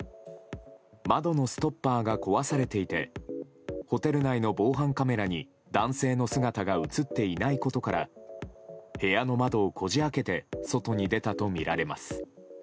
窓のストッパーが壊されていてホテル内の防犯カメラに男性の姿が映っていないことから部屋の窓をこじ開けて外に出たとみられます。